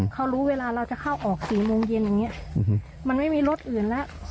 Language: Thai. เขารู้เวลาเราจะเข้าออก๔โมงเย็นอย่างนี้มันไม่มีรถอื่นแล้ว